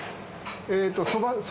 えと。